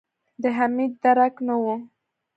د حميد درک نه و.